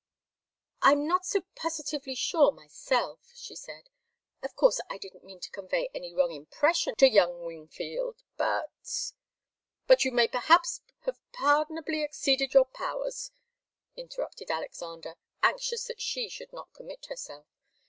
"I'm not so positively sure, myself," she said. "Of course I didn't mean to convey any wrong impression to young Wingfield, but " "But you may perhaps have pardonably exceeded your powers," interrupted Alexander, anxious that she should not commit herself.